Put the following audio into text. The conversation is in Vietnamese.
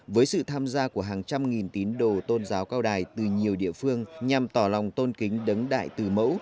với sự tham gia của hàng trăm nghìn tín đồ tôn giáo cao đài từ nhiều địa phương nhằm tỏ lòng tôn kính đứng đại từ mẫu